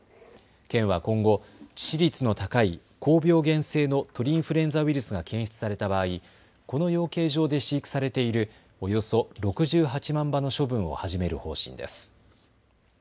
県は今後、致死率の高い高病原性の鳥インフルエンザウイルスが検出された場合、この養鶏場で飼育されているおよそ６８万羽の処分を始める方針です。